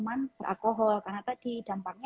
minuman beralkohol karena tadi dampaknya